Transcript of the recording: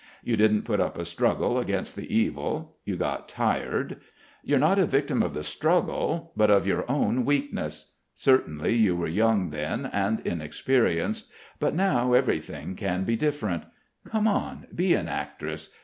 You didn't put up a struggle against the evil. You got tired. You're not a victim of the struggle but of your own weakness. Certainly you were young then and inexperienced. But now everything can be different. Come on, be an actress.